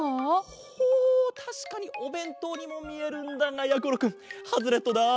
ほうたしかにおべんとうにもみえるんだがやころくんハズレットだ。